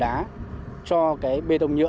đã phải thực hiện việc sản xuất